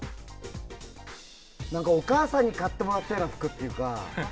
お母さんに買ってもらったような服っていうか。